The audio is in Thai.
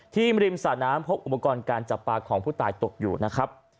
ริมสระน้ำพบอุปกรณ์การจับปลาของผู้ตายตกอยู่นะครับ